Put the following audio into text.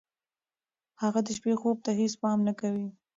هغه د شپې خوب ته هېڅ پام نه کوي.